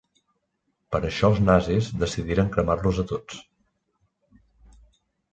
Per això els nazis decidiren cremar-los a tots.